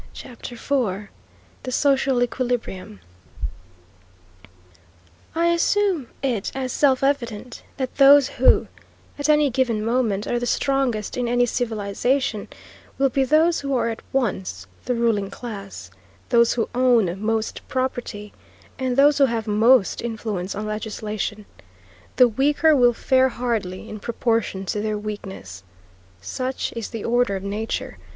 CHAPTER IV THE SOCIAL EQUILIBRIUM I assume it as self evident that those who, at any given moment, are the strongest in any civilization, will be those who are at once the ruling class, those who own most property, and those who have most influence on legislation. The weaker will fare hardly in proportion to their weakness. Such is the order of nature.